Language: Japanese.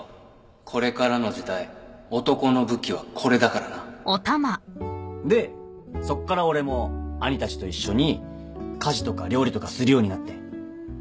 これからの時代男の武器はこれだからなでそっから俺も兄たちと一緒に家事とか料理とかするようになって。